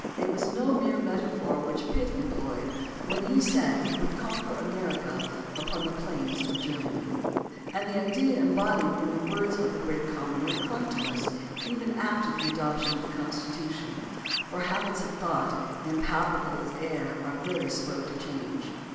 It was no mere metaphor which Pitt employed when he said he would "conquer America upon the plains of Ger many," and the idea embodied in the words of the Great Commoner clung to us even after the adoption of the Constitution, for habits of thought, impalpa ble as air, are very slow to change.